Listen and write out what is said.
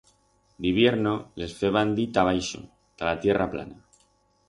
D'hibierno les feban dir ta abaixo, ta la tierra plana.